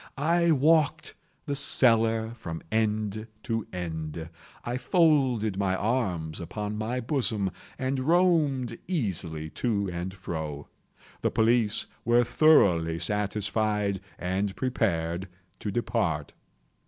I walked the cellar from end to end. I folded my arms upon my bosom, and roamed easily to and fro. The police were thoroughly satisfied and prepared to depart.